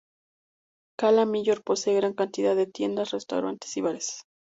Cala Millor posee gran cantidad de tiendas, restaurantes y bares.